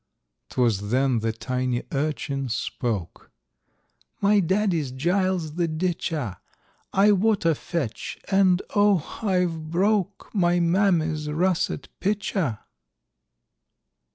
'Twas then the tiny urchin spoke,— "My daddy's Giles the ditcher; I water fetch, and, oh! I've broke My mammy's Russet Pitcher!"